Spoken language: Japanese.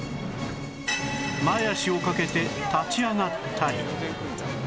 前脚をかけて立ち上がったり